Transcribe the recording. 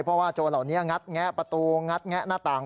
เพราะว่าโจรเหล่านี้งัดแงะประตูงัดแงะหน้าต่าง